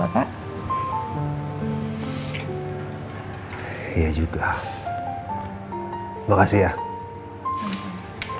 lagipula gak ada salahnya juga kalau kita coba pak